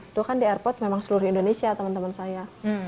itu kan di airport memang seluruh indonesia teman teman saya